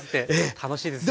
楽しいですよね。